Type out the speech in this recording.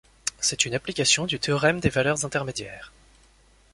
C'est une application du théorème des valeurs intermédiaires.